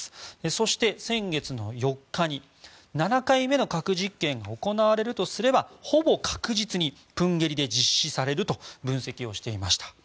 そして、先月の４日に７回目の核実験が行われるとすればほぼ確実にプンゲリで実施されると分析していました。